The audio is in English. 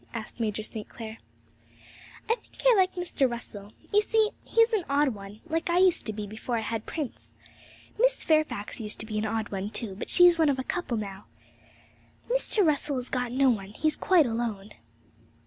asked Major St. Clair. 'I think I like Mr. Russell. You see, he's an odd one, like I used to be before I had Prince. Miss Fairfax used to be an odd one too, but she's one of a couple now. Mr. Russell has got no one; he's quite alone.'